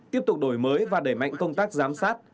tiếp tục đổi mới và đẩy mạnh công tác giám sát